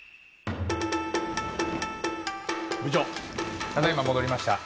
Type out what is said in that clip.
部長ただいま戻りました。